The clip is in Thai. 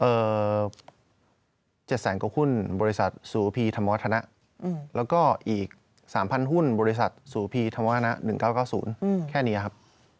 เอ่อ๗๐๐๐๐๐กว่าหุ้นบริษัทสูพีธรรมวัฒนะแล้วก็อีก๓๐๐๐หุ้นบริษัทสูพีธรรมวัฒนะ๑๙๙๐แค่นี้ครับ